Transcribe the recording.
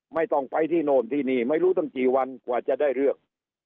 ไม่ต้องไปที่โน่นที่นี่ไม่รู้ตั้งกี่วันกว่าจะได้เลือก